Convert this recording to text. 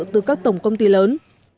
từ các tổng công ty lớn